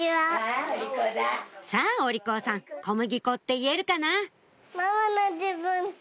さぁお利口さん「小麦粉」って言えるかな？